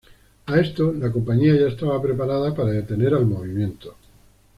A esto, la compañía ya estaba preparada para detener al movimiento.